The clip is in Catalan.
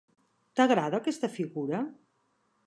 T'agrada aquesta figura?